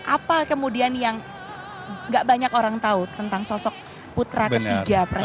apa kemudian yang gak banyak orang tahu tentang sosok putra ketiga presiden